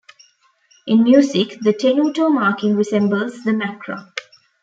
In music, the tenuto marking resembles the macron.